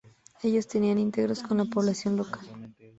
Ellos están integrados con la población local.